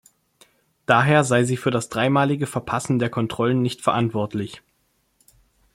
Daher sei sie für das dreimalige Verpassen der Kontrollen nicht verantwortlich.